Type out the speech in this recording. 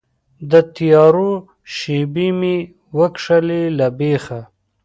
د تیارو شیبې مې وکښلې له بیخه